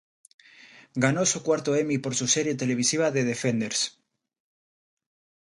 Ganó su cuarto Emmy por su serie televisiva "The Defenders".